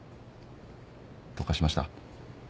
どうかしました？